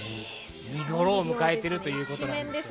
見頃を迎えているということです。